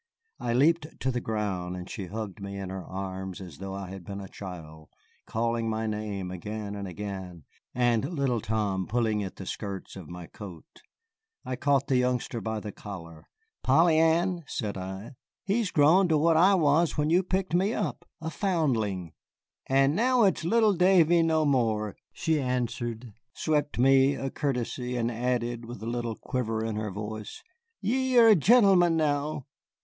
I leaped to the ground, and she hugged me in her arms as though I had been a child, calling my name again and again, and little Tom pulling at the skirts of my coat. I caught the youngster by the collar. "Polly Ann," said I, "he's grown to what I was when you picked me up, a foundling." "And now it's little Davy no more," she answered, swept me a courtesy, and added, with a little quiver in her voice, "ye are a gentleman now."